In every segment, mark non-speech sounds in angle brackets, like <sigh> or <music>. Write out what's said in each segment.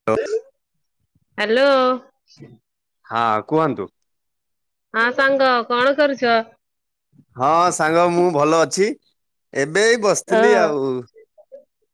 <unintelligible> Hello. ହଁ କୁହନ୍ତୁ। ହଁ ସାଙ୍ଗ କଣ କରୁଛ? ହଁ ସାଙ୍ଗ ମୁଁ ଭଲ ଅଛି। ଏବେ ବସିଥିଲି ହଁ ଆଉ।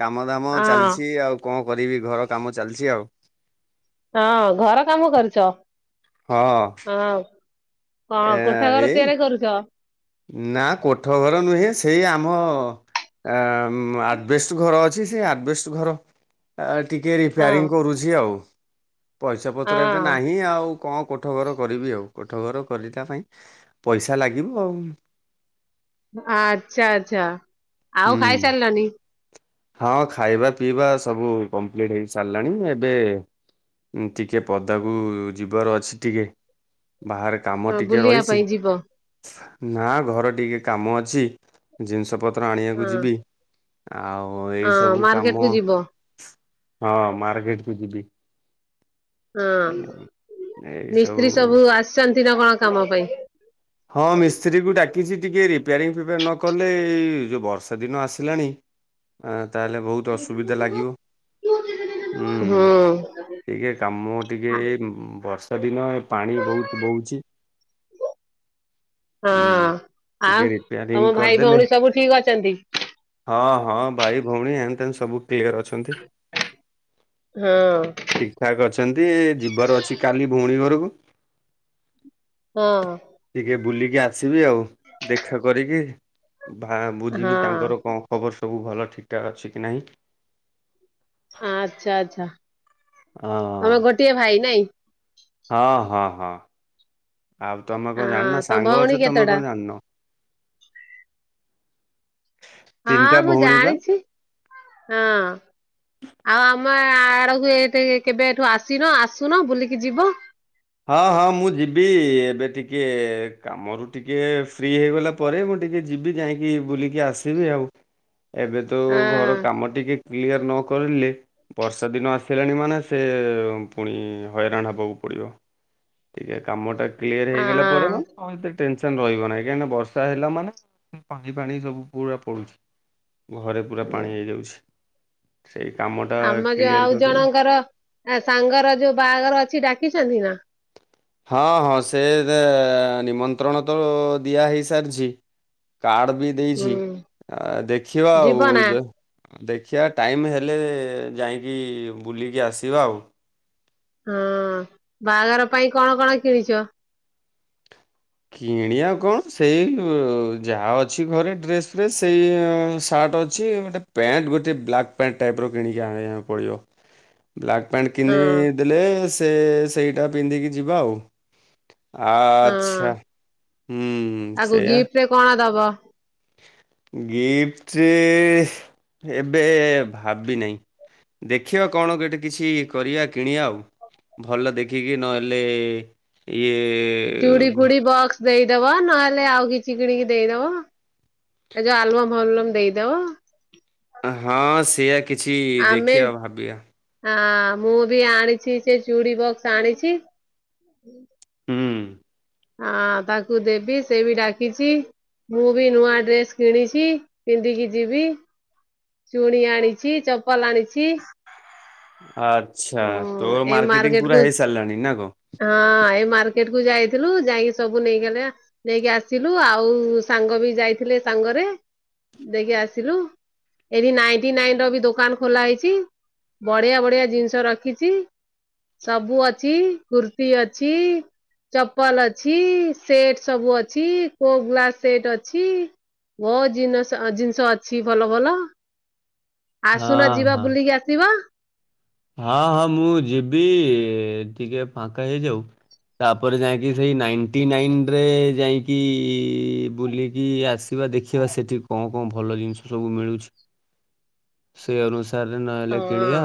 କାମଦାମ ହଁ ଚାଲିଛି ଆଉ। କଣ କରିବି ଘର କାମ ଚାଲିଛି ଆଉ। ହଁ ଘର କାମ କରୁଛ। ହଁ। ହଁ କଣ ଏ କୋଠା ଘର ଏଇ ତିଆରି କରୁଛ? ନା କୋଠ ଘର ନୁହେଁ ସେଇ ଆମ- ଆ ଆଜବେଷ୍ଟ ଘର ଅଛି। ସେ ଆଜବେଷ୍ଟ ଘର- ଆ ଟିକେ ହଁ ରିପେୟାରିଂ କରୁଛି ଆଉ ପଇସା ପତ୍ର ଏବେ ହଁ ନାହିଁ ଆଉ। କଣ କୋଠ ଘର କରିବି ଆଉ କୋଠ ଘର କରିବା ପାଇଁ ପଇସା ଲାଗିବ ଆଉ। ଆଚ୍ଛା-ଆଚ୍ଛା ଆଉ ହୁଁ। ଖାଇସାରିଲନି? ହଁ ଖାଇବା ପିଇବା ସବୁ କମ୍ପ୍ଲିଟ୍ ହେଇ ସାରିଲାଣି ଏବେ ଟିକେ ପଦାକୁ ଯିବାର ଅଛି ଟିକେ ବାହାର କାମ ଟିକେ ବୁଲିବା ରହିଛି। ପାଇଁ ଯିବ ନା ଘର ଟିକେ କାମ ଅଛି ଜିନିଷ ପତ୍ର ଆଣିବାକୁ ହଁ ଯିବି। ଆଉ ଏଇ ହଁ ସବୁ ମାର୍କେଟ କାମ କୁ ଯିବ ହଁ ମାର୍କେଟକୁ ଯିବି। ହଁ ମିସ୍ତ୍ରୀ ସବୁ ଆସିଚନ୍ତି ନା କଣ କାମ ପାଇଁ? ହଁ ମିସ୍ତ୍ରୀକୁ ଡାକିଚି ଟିକେ ରିପେୟାରିଂ ଫିପେୟାର ନକଲେ ଏଇ ଯୋଉ ବର୍ଷା ଦିନ ଆସିଲାଣି ଆ ତାହେଲେ ବହୁତ୍ ଅସୁବିଧା ଲାଗିବ। ହୁଁ। ଟିକେ କାମ ଟିକେ ବର୍ଷା ଦିନ ପାଣି ବହୁତ୍ ବହୁଚି ହୁଁ ହଁ। ଆଉ ଟିକେ ତମ ରିପୋରିଂ ଭାଇ କରିଦେଲେ ଭଉଣୀ ସବୁ ଠିକ ଅଛନ୍ତି? ହଁ-ହଁ ଭାଇ ଭଉଣୀ ଏନ୍ ତେନ୍ ସବୁ କ୍ଲିୟର ଅଛନ୍ତି ହଁ ଠିକ୍ ଠିକ୍ ଠାକ୍ ଅଛନ୍ତି ଯିବାର ଅଛି କାଲି ଭଉଣୀ ଘରକୁ ହଁ। ଟିକେ ବୁଲିକି ଆସିବି ଆଉ ଦେଖା କରିକି ବା ହଁ ବୁଝିବି ତାଙ୍କର କଣ ଖବର ସବୁ ଭଲ ଠିକ୍ ଠାକ୍ ଅଛି କି ନାହିଁ। ଆଚ୍ଛା-ଆଚ୍ଛା। ହଁ-ହଁ-ହଁ-ହଁ। ଆଉ ତମେ କଣ ହଁ ଜାଣିନ ତମ ସାଙ୍ଗ ଭଉଣୀ ଅଛି ତମେ କେତେଟା? କଣ ଜାଣିନ। ହଁ ତିନିଟା ମୁଁ ଭଉଣୀ ବା। ଜାଣିଛି ହଁ। ଆଉ ଆମେ ଆଡକୁ ଏଇଠି କେବେ ଏଠୁ ଆସିନ ଆସୁନ ବୁଲିକି ଯିବ? ହଁ-ହଁ ମୁଁ ଯିବି ଏବେ ଟିକେ କାମରୁ ଟିକେ ଫ୍ରି ହେଇଗଲା ପରେ ମୁଁ ଟିକେ ଯିବି ଯାଇଁକି ବୁଲିକି ଆସିବି ଆଉ ଏବେ ତ ହଁ ଘରକାମ ଟିକେ କ୍ଲିୟର ନ କରିଲେ ବର୍ଷା ଦିନ ଆସିଲାଣି ମାନେ ସେ ପୁଣି ହଇରାଣ ହେବାକୁ ପଡ଼ିବ। ଟିକେ କାମ ଟା କ୍ଲିୟର ହେଇଗଲା ପରେମ ହଁ ଆଉ ଏତେ ଟେ ସନ୍ ରହିବ ନାହିଁ କାହିଁକି ବର୍ଷ ହେଲା ମାନେ ପାଣି ଫାଣି ସବୁ ପୁରା ପଡ଼ୁଚି। ଘରେ ପୁରା ପାଣି ହେଇଯାଉଚି ସେଇ କାମ ଆମ ଯୋଉ ଆଉ ଜଣଙ୍କର ଆ ସାଙ୍ଗର ଯୋଉ ବାହାଘର ଅଛି ଡାକିଚନ୍ତି ନା? ହଁ-ହଁ ସେ <unintelligible> ନିମନ୍ତ୍ରଣ ତ ଦିଆହେଇ ସାରିଚି କାର୍ଡବି ହୁଁ ଦେଇଚି ଆ ଦେଖିବା ଯିବ ଆଉ ନା ଯ ଦେଖିୟା ଟାଇମ୍ ହେଲେ ଯାଇଁକି ବୁଲିକି ଆସିବା ଆଉ। ହଁ ବାହାଘର ପାଇଁ କଣ-କଣ କିଣିଚ? କିଣିବା କଣ ସେଇ ଯାହା ଅଛି ଘରେ ଡ୍ରେସ୍ ଫ୍ରେସ୍ ସେଇ ସାର୍ଟ ଅଛି ଗୋଟେ ପ୍ୟାଣ୍ଟ ଗୋଟେ ବ୍ଲାକ୍ ପ୍ୟାଣ୍ଟ ଟାଇପ୍ ର କିଣିକି ଆଣିବାକୁ ପଡ଼ିବ। <inaudible> ବ୍ଲାକ୍ ପ୍ୟାଣ୍ଟ ହଁ କିନିଦେଲେ ସେ ସେଇଟା ପିନ୍ଧିକି ଯିବା ଆଉ। ହଁ ଆଚ୍ଛା। ହୁଁ ତାକୁ ସେଇଆ ଗିଫ୍ଟ୍ ରେ କଣ ଦବ? ଗିଫ୍ଟ୍ ରେ ଏବେ ଭାବିନାହିଁ। ଦେଖିବା କଣ ଗୋଟେ କିଛି କରିଆ କିଣିଆ ଆଉ। ଭଲ ଦେଖିକି ନହେଲେ ଇଏ ଚୁଡ଼ି ଫୁଡ଼ି ବକ୍ସ୍ ଦେଇଦବ ନହେଲେ ଆଉ କିଛି କିଣିକି ଦେଇଦବ। ଏ ଯଉ ଆଲବମ୍ ଭଲମ୍ ଦେଇଦବ। ହଁ ସେଇଆ କିଛି ଆମେ ଦେଖିବା ଭାବିବା। ହଁ ମୁଁ ବି ଆଣିଚି ସେ ଚୁଡି ବକ୍ସ୍ ଆଣିଚି। ହୁଁ। ଅଁ- ତାକୁଦେବି ସେ ବି ଡାକିଚି। ମୁଁ ବି ନୂଆ ଡ୍ରେସ୍ କିଣିଚି ପିନ୍ଧିକି ଯିବି। ଚୁଡି ଆଣିଚି ଚପଲ୍ ଆଣିଚି। ଆଚ୍ଛା ତୋର ଏଇ ମାର୍କେଟିଙ୍ଗ୍ ମାର୍କେଟ କୁ ପୁରା ହେଇ ସାରିଲାଣି ନା କଣ? ହଁ ଏଇ ମାର୍କେଟ କୁ ଯାଇଥିଲୁ ଯାଇକି ସବୁ ନେଇଗଲେ ନେଇକି ଆସିଲୁ ଆଉ ସାଙ୍ଗ ବି ଯାଇଥିଲେ ସାଙ୍ଗରେ ଦେଇକି ଆସିଲୁ। ଏଇଠି ନାଇନ୍ଟି ନାଇନ୍ ବି ଦୋକାନ ଖୋଲା ହେଇଚି ବଢିଆ ବଢିଆ ଜିନି <unintelligible> ରଖିଚି ସବୁ ଅଛି କୁର୍ତି ଅଛି। ଚପଲ୍ ଅଛି ସେଟ୍ ସବୁ ଅଛି କୋ ଗ୍ଲାସ୍ ସେଟ୍ ଅଛି। ବହୁତ୍ ଜିନଷ- ଜିନିଷ ଅଛି ଭଲ ଭଲ। ହଁ ଆସୁନ ଯିବା ହଁ ବୁଲିକି ଆସିବ। ହଁ ହଁ ମୁଁ ଯିବି ଟିକେ ଫାଙ୍କା ହେଇଯାଉ। ତାପରେ ଯାଇକି ସେଇ ନାଇଣ୍ଟି ନାଇନ୍ ରେ ଯାଇକି ବୁଲିକି ଆସି ଯିବା ଦେଖିବା ସେଠି କଣ କଣ ଭଲ ଜିନିଷ ସବୁ ମିଳୁଚି। <inaudible> ସେଇ ଅନୁସାରେ ହଁ ନହେଲେ କିଣିବା।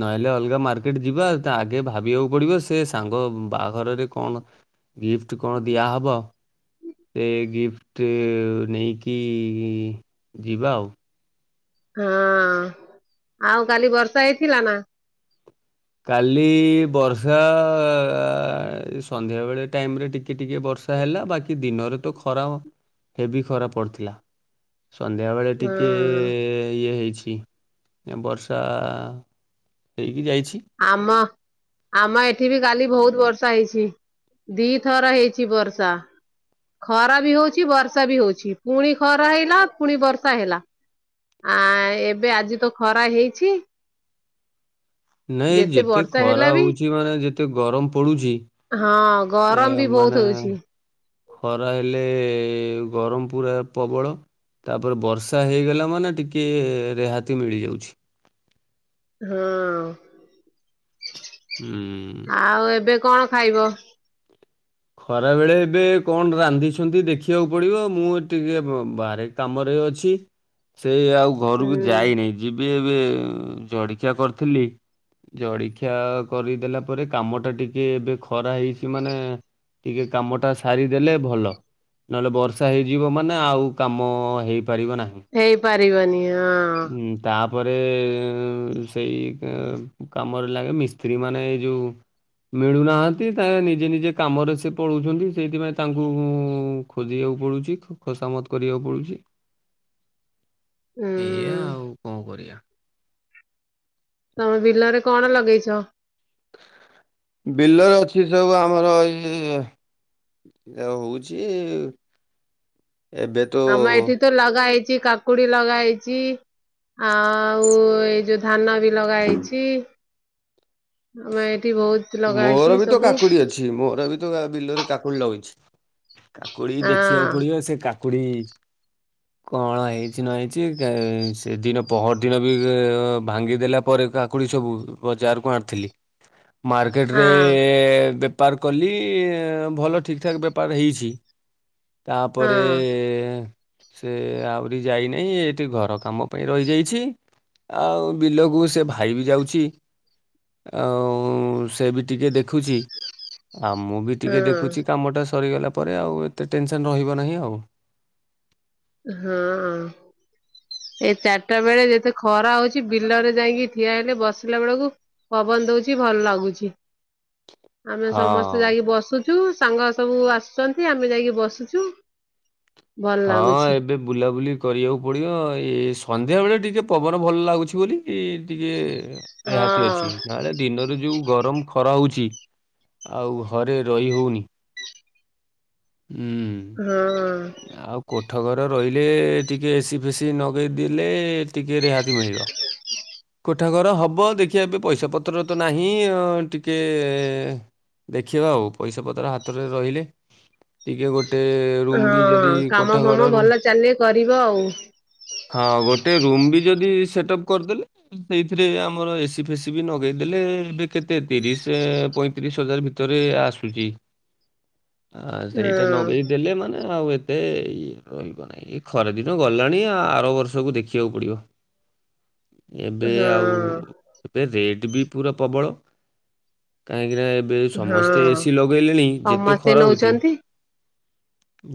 ନହେଲେ ଅଲଗା ମାର୍କେଟ ଯିବା ଆଗେ ଭାବିବାକୁ ପଡିବ ସେ ସାଙ୍ଗ ବାହାଘରରେ କଣ <inaudible> ଗିଫ୍ଟ୍ କଣ ଦିଆହବ। ଏ ଗିଫ୍ଟ୍ ନେଇକି ଯିବା ଆଉ। ହଁ ଆଉ କାଲି ବର୍ଷା ହେଇଥିଲା ନା? କାଲି ବର୍ଷା ସନ୍ଧ୍ୟା ବେଳେ ଟାଇମ୍ ରେ ଟିକେ ଟିକେ ବର୍ଷା ହେଲା ବାକି ଦିନରେ ତ ଖରା ହେବି ଖରା ପଡିଥିଲା। ସନ୍ଧ୍ୟା ବେଳେ ଟିକେ ହଁ ଇଏ ହେଇଛି। ଏଁ-ବର୍ଷା ହେଇକି ଯାଇଛି। ଆମ ଆମ ଏଠି ବି କାଲି ବହୁତ୍ ବର୍ଷା ହେଇଚି ଦିଥର ହେଇଚି ବର୍ଷା। ଖରା ବି ହଉଚି ବର୍ଷା ବି ହଉଚି ପୁଣି ଖରା ହେଇଲା ପୁଣି ବର୍ଷା ହେଲା। ଆଁ -ଏବେ ଆଜି ତ ଖରା ହେଇଚି। ନାଇଁ ଯେତେ ବର୍ଷା ଖରା ହେଲା ବି ହଉଚି ମାନେ ଯେତେ ଗରମ୍ ପଡୁଚି। ହଁ ଗରମ୍ ବି ବହୁତ ହଉଚି। ଖରା ହେଲେ ଗରମ୍ ପୁରା ପ୍ରବଳ। ତାପରେ ବର୍ଷା ହେଇଗଲା ମାନେ ଟିକେ ରିହାତି ମିଳିଯାଉଛି। ହଁ। ହୁଁ। ଆଉ ଏବେ କଣ ଖାଇବ? ଖରା ବେଳେ ଏବେ କଣ ରାନ୍ଧିଛନ୍ତି ଦେଖିବାକୁ ପଡିବ ମୁଁ ଟିକେ ବାହାରେ କାମରେ ଅଛି ସେ ଆଉ ଘରକୁ ହୁଁ ଯାଇନାହିଁ। ଯିବି ଏବେ ଉଁ -ଜଳିଖିଆ କରିଥିଲି। ଜଳଖିଆ କରିଦେଲା ପରେ କାମ ଟା ଟିକେ ଏବେ ଖରା ହେଇଚି ମାନେ ଟିକେ କାମଟା ସାରିଦେଲେ ଭଲ। ନଏଲେ ବର୍ଷା ହେଇଯିବ ମାନେ ଆଉ କାମ ହେଇପାରିବ ନାହିଁ। ହେଇପାରିବନି ହଁ। ହୁଁ ତାପରେ ଉଁ-ଉଁ ସେଇ କା କାମରେ ଲାଗେ ମିସ୍ତ୍ରୀ ମାନେ ଏଇ ଯୋଉ ମିଳୁନାହାନ୍ତି ତା <unintelligible> ନିଜେ ନିଜେ କାମରେ ସେ ପଳଉଛନ୍ତି ସେଇଥିପାଇଁ ତାଙ୍କୁ ଉଁ-ଉଁ-ଉଁ ଖୋଜିଆକୁ ପଡ଼ୁଚି ଖୁସାମତ୍ କରିଆକୁ ପଡୁଚି। ହୁଁ ଏଇଆ ଆଉ କଁ କରିଆ? ତମ ବିଲରେ କଣ ଲଗେଇଛ? ବିଲରେ ଅଛି ସବୁ ଆମର ଏଇ <unintelligible> ଇଏ ହଉଚି ଏବେ ତ ଆମ ଏଠି ତ ଲାଗା ହେଇଚି କାକୁଡି ଲଗା ହେଇଚି ଆଉ ଏଇ <unintelligible> ଧାନ ବି ଲଗା ହେଇଚି ଆମ ଏଠି ବହୁତ୍ ଲଗା ହେଇଛି ସବୁ। ଛି ମୋର ବି ତ <unintelligible> ବିଲରେ କାକୁଡି ଲଗେଇଛି କାକୁଡି ଦେଖିଆକୁ ହଁ ପଡିବ ସେ କା କୁଡ଼ି କଣ ହେଇଛି ନ ହେଇଛି ଗାଏଁ ସେଦିନ ପହରଦିନ ବି ଭାଙ୍ଗିଦେଲା ପରେ କାକୁଡ଼ି ସବୁ ବଜାରକୁ ଆଣିଥିଲି ମାର୍କେଟ୍ ରେ ହଁ ଏ-ଏ ବେ ପାର୍ କଲି <unintelligible> ଭଲ ଠିକ୍ ଠାକ୍ ବେପାର୍ ହେଇଛି। ତାପରେ ହଁ ଏ-ଏ-ଏଁ ସେ ଆଉରି ଯାଇନାଇଁ ଏଠି ଘର କାମ ପାଇଁ ରହିଯାଇଛି। ଆଉ ବିଲକୁ ସେ ଭାଇ ବି ଯାଉଛି ଆଉ ସେ ବି ଟିକେ ଦେଖୁଛି ଆଉ ମୁଁ ବି ଟିକେ ହଁ ଦେଖୁଛି କାମଟା ସରିଗଲା ପରେ ଆଉ ଏତେ ଟେନସନ୍ ରହିବ ନାହିଁ ଆଉ। ହଁ। ଏଇ ଚାର୍ ଟା ବେଳେ ଯେତେ ଖରା ହଉଚି ବିଲରେ ଯାଇଁକି ଠିଆ ହେଲେ ବସିଲା ବେଳକୁ ପବନ୍ ଦଉଚି ଭଲ ଲାଗୁଛି। ଆମେ ସମସ୍ତେ ହଁ। ଯାଇକି ବସୁଚୁ ସାଙ୍ଗ ସବୁ ଆସୁଛନ୍ତି ଆମେ ଯାଇକି ବସୁଚୁ। ହଁ ଏବେ ବୁଲାବୁଲି କରିଆକୁ ପଡିବ ଏ ସନ୍ଧ୍ୟା ବେଳେ ଟିକେ ପବନ ଭଲ ଲାଗୁଛି ବୋଲି ଇ ଟିକେ ସେ ହାତୀ ହଁ ଅଛି ନହେଲେ ଦିନରେ ଯୋଉ ଗରମ୍ ଖରା ହଉଚି ଆଉ ଘରେ ରହି ହଉନି। ଉଁ। ହଁ। କୋଠ ଘର ରହିଲେ ଟିକେ ଏସି ଫେସି ନଗେଇ ଦେଲେ ଟିକେ ରିହାତି ମିଳିବ କୋ ଠା ଘର ହବ ଦେଖିଆ ଏବେ ପଇସା ପତ୍ର ତ ନାହିଁ ଅଁ ଟିକେ ଏ-ଏ-ଏ ଦେଖିବା ଆଉ ପଇସା ପତ୍ର ହାତରେ ରହିଲେ ଟିକେ ଗୋଟେ ରୁମ୍ ବି ହଁ ଯଦି କାମ କୋଠା ଫାମ ଘର ରୁ ଭଲ ଚାଲେ କରିବ ଆଉ ହଁ ଗୋଟେ ରୁମ୍ ବି ଯଦି ସେଟ୍ଅପ୍ କର୍ ଦେଲେ ସେଇଥିରେ ଆମର ଏସି ଫେସି ବି ନଗେଇ ଦେଲେ ଏବେ କେତେ ତିରିଶି ପଇଁତିରିଶି ହଜାର୍ ଭି ତରେ ଆସୁଚି ଆଁ ହଁ ସେଇଟା ନଗେଇ ଦେଲେ ମାନେ ଆଉ ଏତେ ଇ ରହିବ ନାଇଁ। ଏ ଖରାଦିନ ଗଲାଣି ଆ ଆର ବର୍ଷକୁ ଦେଖିବାକୁ ପଡ଼ିବ। <inaudible> ଏବେ ହଁ ଆଉ ଏବେ ରେଟ୍ ବି ପୁରା ପବଳ କାହିଁକି ନା ଏ ବେ ସମସ୍ତେ ହଁ ଏସିି ଲଗେଇଲେଣି ଯେତେ ସମସ୍ତେ ଖରା ହୋଉଛି। ନଉଛନ୍ତି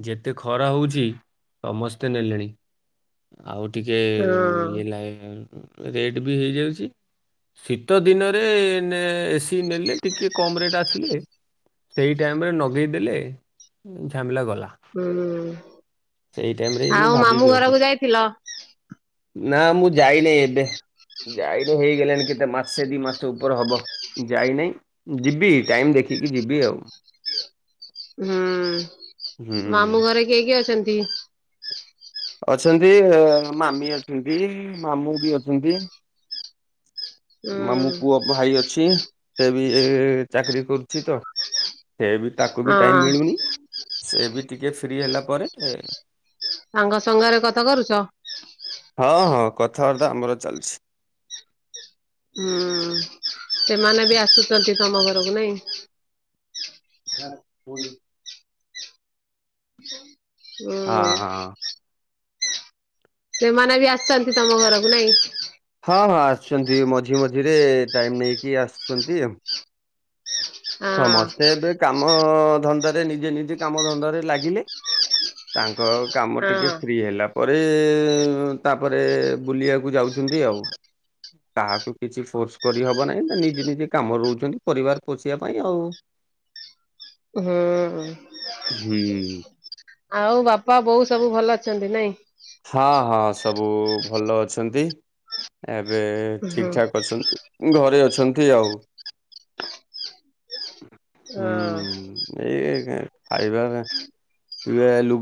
ଯେତେ ଖରା ହୋଉଛି ସମସ୍ତେ ନେଲେଣି। ଆଉ ଟିକେ ହଁ ଇଏ ଲାଏ ରେଟ ବି ହେଇଯାଉଛି। ଶୀତ ଦିନରେ ଏନେ ଏସିି ନେଲେ ଟିକେ କମ୍ ରେଟ୍ ଆସିଲେ ସେଇ ଟାଇମ୍ ରେ ନଗେଇଦେଲେ ଉଁ ଝାମ୍ ଲା ଗଲା। ହୁଁ, ସେଇ ଟାଇମ୍ ରେ ମୁଁ ଆଉ ମାମୁଁ ଘରକୁ ଯାଇଥିଲ? ନାଁ ମୁଁ ଯାଇନେଇ ଏବେ। ଜାଇନି ହେଇଗଲାଣି କେତେ ମାସେ ଦି ମାସେ ଉପର ହବ। ଯାଇନାହିଁ ଯିବି ଟାଇମ୍ ଦେଖିକି ଯିବି ଆଉ। ହୁଁ, ମାମୁଁ ହୁଁ। ଘରେ କିଏ କିଏ ଅଛନ୍ତି? ଅଛନ୍ତି, ଆ ମାମି ଅଛନ୍ତି, ମାମୁଁ ବି ଅଛନ୍ତି। ହୁଁ ମାମୁଁ ପୁଅ ଭାଇ ଅଛି, ସେ ବି ଏ ଚାକିରୀ କରୁଛି ତ ସେବି ତାକୁ ବି ଟାଇମ୍ ହଁ ମିଳୁନି, ସେ ବି ଟିକେ ଫ୍ରି ହେଲା ପରେ ଏ ସାଙ୍ଗ ସାଙ୍ଗାରେ କଥା କରୁଛ? ହଁ ହଁ କଥାବାର୍ତ୍ତା ଆମର ଚାଲିଛି। ହୁଁ ସେମାନେ ବି ଆସୁଚନ୍ତି ତମ ଘରକୁ ନାଇଁ? <unintelligible> ହୁଁ। ସେମାନେ ବି ଆସିଥାନ୍ତି ତମ ଘରକୁ ନାଇଁ? ହଁ ହଁ ଆସୁଛନ୍ତି, ମଝି ମଝିରେ ଟାଇମ୍ ନେଇକି ଆସୁଛନ୍ତି। ହଁ ସମସ୍ତେ ଏବେ କାମ ଧନ୍ଦାରେ ନିଜେ ନିଜେ କାମ ଧନ୍ଦାରେ ଲାଗିଲେ। ତାଙ୍କ କାମ ଟିକେ ହଁ ଫ୍ରି ହେଲା ପରେ ତାପରେ ବୁଲିଆକୁ ଯାଉ ହିନ୍ଦି ଆଉ। କାହାକୁ କିଛି ଫୋର୍ସ କରିହବ ନାହିଁ ନା ନିଜେ ନିଜେ କାମରେ ରହୁଛନ୍ତି ପରିବାର ପୋଷ୍ ଇଆ ପାଇଁ ଆଉ, ହୁଁ ହୁଁ। ଆଉ ବାପା, ବୋଉ ସବୁ ଭଲ ଅଛନ୍ତି ନାଇଁ? ହଁ ହଁ ସବୁ ଭଲ ଅଛନ୍ତି, ଏବେ ଠିକ୍ ହୁଁ ଠାକ୍ ଅଛନ୍ତି। ଘରେ ଅଛନ୍ତି ଆଉ, ହଁ ହୁଁ। <unintelligible>